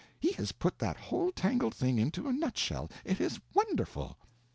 —he has put that whole tangled thing into a nutshell—it is wonderful!"